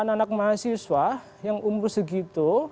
jadi kolabs polisi ini sekarang awal tahun itu